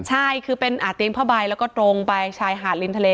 ใช่คือเป็นเตียงผ้าใบแล้วก็ตรงไปชายหาดริมทะเล